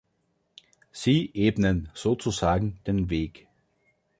Sie ebnen sozusagen den Weg.